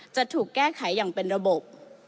จะถูกแก้ไขอย่างเป็นระบบ